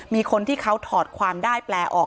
มีคนที่เขาถอดความได้แปลออก